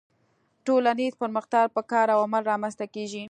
ټولنیز پرمختګ په کار او عمل رامنځته کیږي